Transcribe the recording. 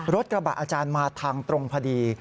รถกระบะอาจารย์มาทางตรงพอดี